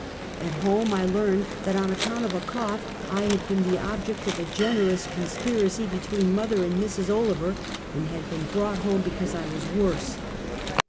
At home I learned that, on account of a cough, I had been the object of a generous conspiracy between mother and Mrs. Olever, and had been brought home because I was worse.